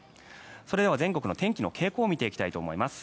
それでは全国の天気の傾向を見ていきたいと思います。